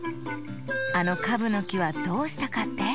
あのカブのきはどうしたかって？